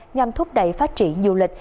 nhằm thúc đẩy phát triển du lịch